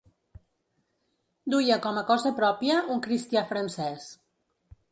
Duia com a cosa pròpia un cristià francès.